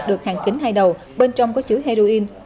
được hàng kính hai đầu bên trong có chứa heroin